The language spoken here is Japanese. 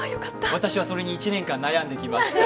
私はそれに１年間悩んできました。